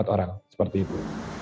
empat orang seperti itu